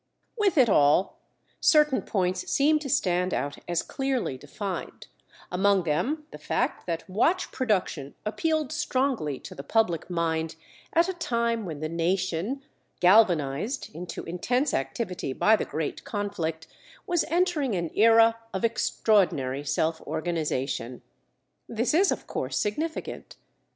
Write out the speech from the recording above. "_] With it all, certain points seem to stand out as clearly defined—among them the fact that watch production appealed strongly to the public mind at a time when the nation, galvanized into intense activity by the great conflict, was entering an era of extraordinary self organization. This is, of course, significant.